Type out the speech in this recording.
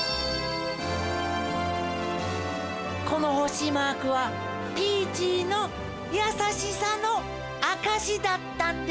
このほしマークはピーチーのやさしさのあかしだったんです。